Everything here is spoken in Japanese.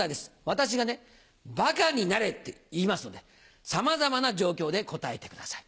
私がね「バカになれ」って言いますのでさまざまな状況で答えてください。